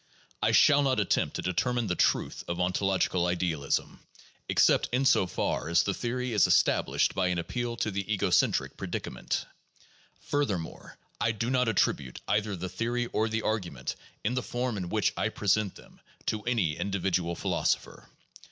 I shall not attempt to determine the truth of ontological idealism, except in so far as that theory is established by an appeal to the ego centric predicament. Furthermore, I do not attribute either the theory or the argument, in the form in which I present them, to any individual philosopher.